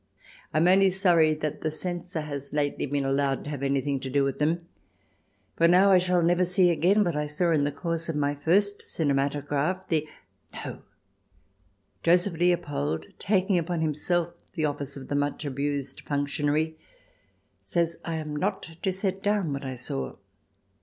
I am only sorry that the censor has lately been allowed to have anything to do with them ; for now I shall never see again what I saw in the course of my first cinematograph — the ... No ! Joseph Leopold, taking upon himself the office of the much abused functionary, says that I am not to set down what I saw.